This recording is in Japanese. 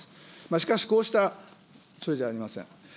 しかし、こうした、それじゃありません。